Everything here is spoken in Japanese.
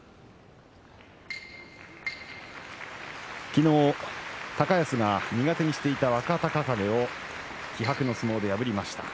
昨日、高安が苦手にしていた若隆景を気迫の相撲で破りました。